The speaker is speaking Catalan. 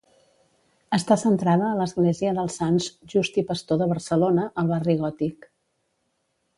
Està centrada a l'Església dels Sants Just i Pastor de Barcelona, al barri gòtic.